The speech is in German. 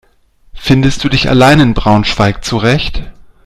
Findest du dich allein in Braunschweig zurecht?